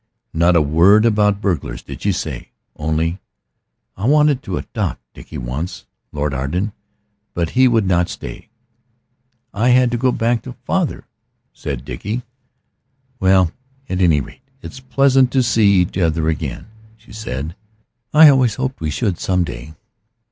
Not a word about burglars did she say, only "I wanted to adopt Dickie once, Lord Arden, but he would not stay." "I had to get back to father," said Dickie. "Well, at any rate it's pleasant to see each other again," she said. "I always hoped we should some day.